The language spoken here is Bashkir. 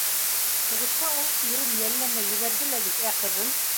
Һуғышҡа ул ирен йәлләмәй ебәрҙе лә бит, ә ҡыҙын?